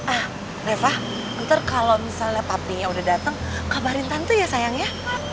ah reva nanti kalau misalnya papi nya udah datang kabarin tante ya sayang ya